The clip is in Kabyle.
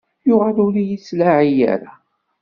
Yuɣal ur iyi-yettlaɛi ara.